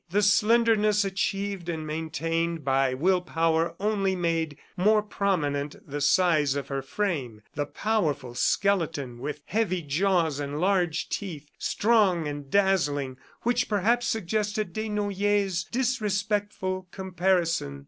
The slenderness achieved and maintained by will power only made more prominent the size of her frame, the powerful skeleton with heavy jaws and large teeth, strong and dazzling, which perhaps suggested Desnoyers' disrespectful comparison.